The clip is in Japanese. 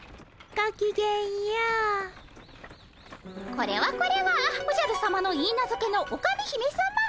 これはこれはおじゃるさまのいいなずけのオカメ姫さま。